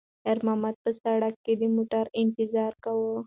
خیر محمد په سړک کې د موټرو انتظار کوي.